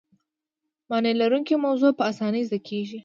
معنی لرونکې موضوع په اسانۍ زده کیږي.